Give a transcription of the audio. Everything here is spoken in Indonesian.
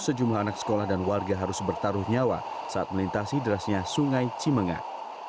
sejumlah anak sekolah dan warga harus bertaruh nyawa saat melintasi derasnya sungai cimengah